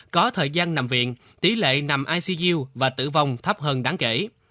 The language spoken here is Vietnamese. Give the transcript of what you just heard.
có thời gian nằm viện tỷ lệ nằm icu và tử vong thấp hơn đáng kể